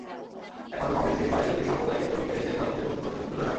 একমাত্র কংগ্রেসই পারে বিজেপির সাম্প্রদায়িকতা রুখে দেশের ধর্মনিরপেক্ষ চরিত্র ধরে রাখতে।